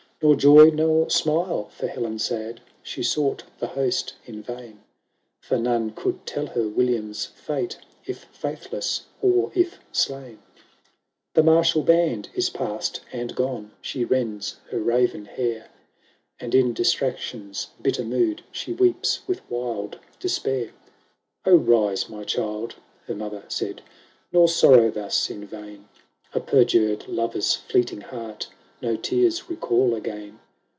VII Nor joy nor smile for Helen sad; She sought the host in vain ; For none could tell her William's fate, If faithless, or if slain. VIII The martial band is passed and gone ; She rends her raven hair, And in distraction's bitter mood She weeps with wild despair. IX " 0, rise, my child," her mother said, " Nor sorrow thus in vain ; A perjured lover's fleeting heart No tears recall again."